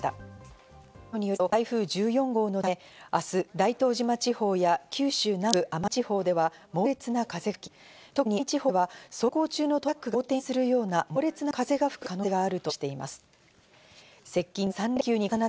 気象庁によりますと、台風１４号のため明日、大東島地方や九州南部、奄美地方では猛烈な風が吹き、特に奄美地方では走行中のトラックが横転するような猛烈な風が吹く可能性があるとしています。